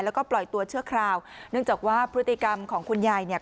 แล้วก็ปล่อยตัวชั่วคราวเนื่องจากว่าพฤติกรรมของคุณยายเนี่ย